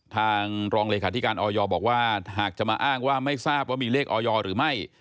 ทางรองเลขาธิการออยบอกว่าหากจะมาอ้างว่าไม่ทราบว่ามีเลขออยหรือไม่